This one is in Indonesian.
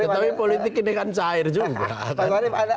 tapi politik ini kan cair juga